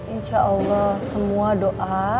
insya allah semua doa